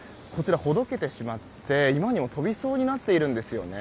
ほどけてしまって、今にも飛びそうになっているんです。